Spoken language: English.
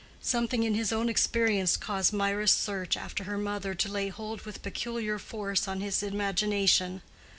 Something in his own experience caused Mirah's search after her mother to lay hold with peculiar force on his imagination.